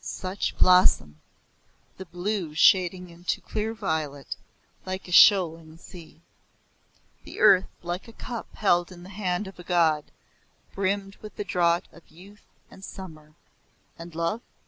Such blossom! the blue shading into clear violet, like a shoaling sea. The earth, like a cup held in the hand of a god, brimmed with the draught of youth and summer and love?